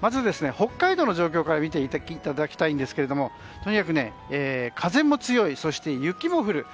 まず、北海道の状況から見ていただきたいんですがとにかく風も強いそして雪も降る。